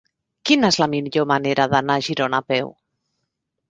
Quina és la millor manera d'anar a Girona a peu?